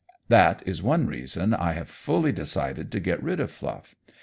That is one reason I have fully decided to get rid of Fluff.